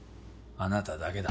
あなただけだ。